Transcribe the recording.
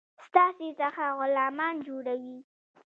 ستاسي څخه غلامان جوړوي.